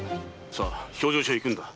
さあ評定所へ行くんだ。